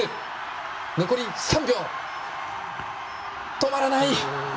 止まらない！